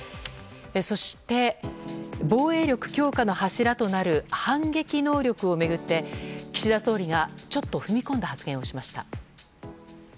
そして、防衛力強化の柱となる反撃能力を巡って岸田総理がちょっと踏み込んだ発言をしました。